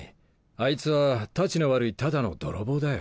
あいつはタチの悪いただの泥棒だよ。